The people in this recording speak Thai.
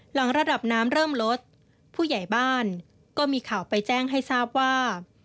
หลังระดับน้ำเริ่มลดผู้ใหญ่บ้านก็มีข่าวไปแจ้งให้ทราบว่า